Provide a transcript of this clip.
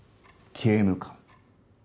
刑務官！？